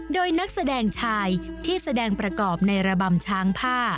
โดยนักแสดงชายที่แสดงประกอบในระบำช้างผ้า